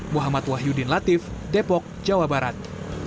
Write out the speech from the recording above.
muhammad wahyudin latif depok jawa barat